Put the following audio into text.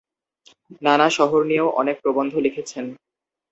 নানা শহর নিয়েও অনেক প্রবন্ধ লিখেছেন।